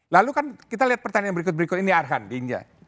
lalu kan kita lihat pertanyaan berikut berikut ini arhan di india